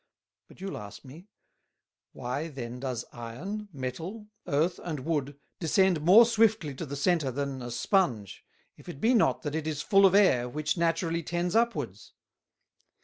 But you'll ask me, Why then does Iron, Metal, Earth and Wood, descend more swiftly to the Center than a Sponge, if it be not that it is full of Air which naturally tends upwards?